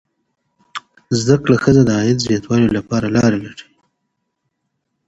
زده کړه ښځه د عاید زیاتوالي لپاره لارې لټوي.